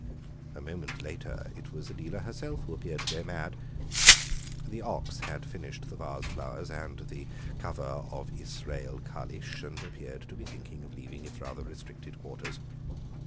A moment later it was Adela herself who appeared to go mad. The ox had finished the vase flowers and the cover of "Israel Kalisch," and appeared to be thinking of leaving its rather restricted quarters.